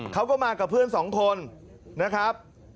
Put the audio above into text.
เขาก็มากับเพื่อนสองคนนะครับ